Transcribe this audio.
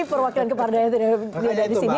perwakilan kepala daerah yang tidak ada di sini